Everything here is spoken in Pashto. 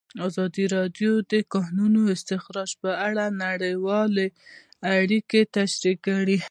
ازادي راډیو د د کانونو استخراج په اړه نړیوالې اړیکې تشریح کړي.